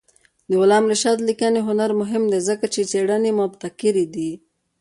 د علامه رشاد لیکنی هنر مهم دی ځکه چې څېړنې مبتکرې دي.